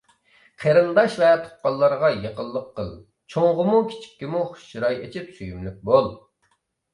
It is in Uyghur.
قېرىنداش ۋە تۇغقانلارغا يېقىنلىق قىل، چوڭغىمۇ كىچىككىمۇ خۇش چىراي ئېچىپ سۆيۈملۈك بول.